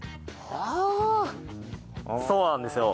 そうなんですよ。